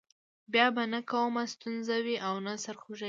بیا به نه کومه ستونزه وي او نه سر خوږی.